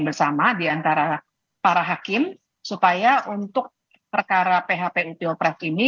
bersama di antara para hakim supaya untuk perkara php util pres ini